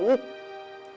tentu dia mak